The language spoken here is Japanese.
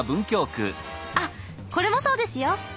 あっこれもそうですよ！